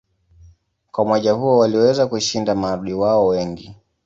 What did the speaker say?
Kwa umoja huo waliweza kushinda maadui wao wengi.